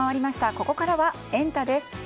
ここからはエンタ！です。